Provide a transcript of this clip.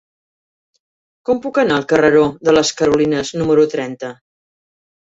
Com puc anar al carreró de les Carolines número trenta?